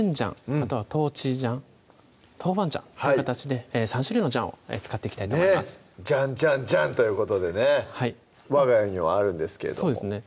あとは豆醤・豆板醤という形で３種類のジャンを使っていきたいと思いますジャン・ジャン・ジャンということでねわが家にもあるんですけれどもそうですね